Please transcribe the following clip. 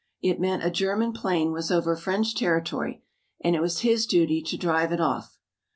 It meant a German plane was over French territory and it was his duty to drive it off.